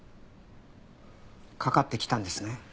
かかってきたんですね？